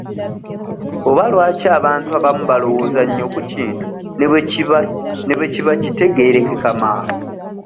Oba lwaki abantu abamu balowooza nnyo ku kintu ne bwe kiba kitegeerekeka mangu?